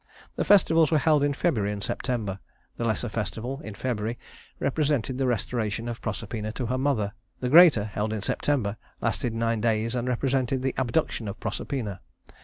The Festivals were held in February and September. The lesser festival, in February, represented the restoration of Proserpina to her mother; the greater, held in September, lasted nine days and represented the abduction of Proserpina.